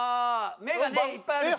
目がねいっぱいある。